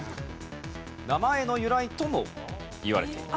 名前の由来ともいわれている。